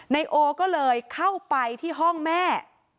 นายโอก็เลยเข้าไปที่ห้องแม่